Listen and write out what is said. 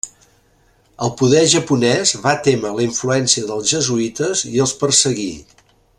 El poder japonès va témer la influència dels jesuïtes i els perseguí.